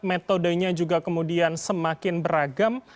metodenya juga kemudian semakin beragam